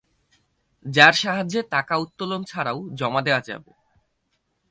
যার সাহায্যে টাকা উত্তোলন ছাড়াও জমা দেয়া যাবে।